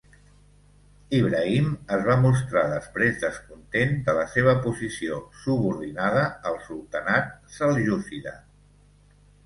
Ibrahim es va mostrar després descontent de la seva posició subordinada al sultanat seljúcida.